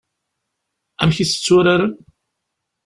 Amek i tt-tturaren?